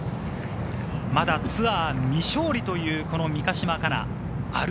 まだツアー未勝利の三ヶ島かな。